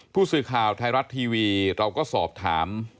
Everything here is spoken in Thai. ผู้สื่อข่าวไทยรัฐทีวีเราก็สอบถาม